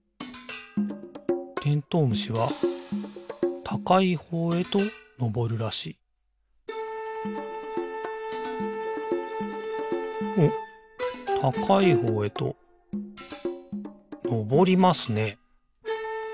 虫はたかいほうへとのぼるらしいおったかいほうへとのぼりますね。